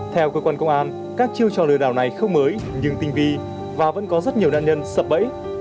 theo cơ quan công an các chiêu trò lừa đảo này không mới nhưng tinh vi và vẫn có rất nhiều nạn nhân sập bẫy